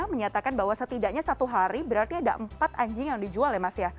menyatakan bahwa setidaknya satu hari berarti ada empat anjing yang dijual ya mas ya